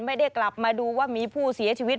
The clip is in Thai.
ไม่ได้กลับมาดูว่ามีผู้เสียชีวิต